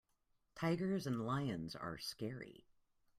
Tigers and lions are scary.